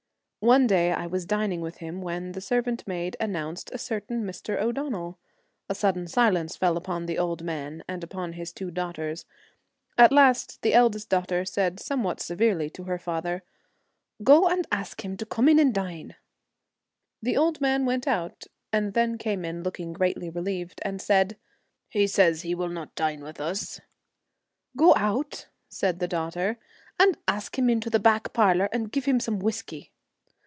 One day I was dining with him when the servant maid announced a certain Mr. O'Donnell. A sudden silence fell upon the old man and upon his two daughters. At last the eldest daughter said some 50 what severely to her father, ' Go and A Knight .. of the ask him to come in and dine.' The old Sheep. man went out, and then came in look ing greatly relieved, and said, ' He says he will not dine with us.' 'Go out,' said the daughter, 'and ask him into the back parlour, and give him some whiskey.'